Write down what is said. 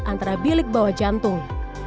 antara bilik bawah jantung